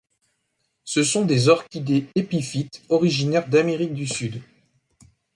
Ces sont des orchidées épiphytes originaires d'Amérique du Sud.